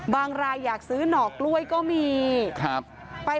รายอยากซื้อหน่อกล้วยก็มี